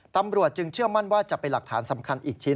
ตำรวจจึงเชื่อมั่นว่าจะเป็นหลักฐานสำคัญอีกชิ้น